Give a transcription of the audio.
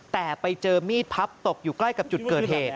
แต่ไปเจอมีดพับตกอยู่ใกล้กับจุดเกิดเหตุ